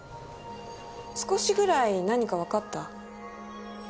少しぐらい何かわかった？